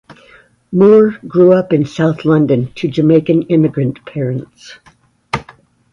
Moore grew up in South London to Jamaican immigrant parents.